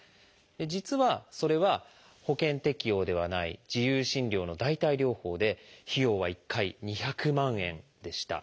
実はそれは保険適用ではない自由診療の代替療法で費用は１回２００万円でした。